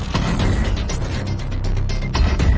ตอนนี้ก็ไม่มีอัศวินทรีย์